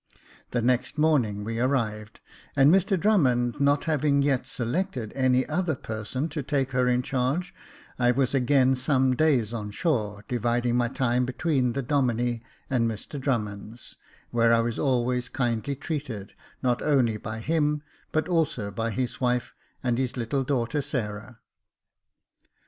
The next morning we arrived ; and Mr Drummond, not having yet selected any other person to take her in charge, I was again some days on shore, dividing my time between the Domine and Mr Drummond's, where I was always kindly treated, not only by him, but also by his wife, and his little daughter Sarah.